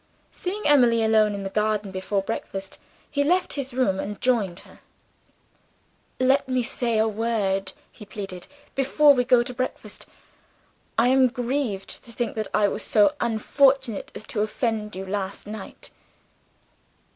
Seeing Emily alone in the garden before breakfast, he left his room and joined her. "Let me say one word," he pleaded, "before we go to breakfast. I am grieved to think that I was so unfortunate as to offend you, last night."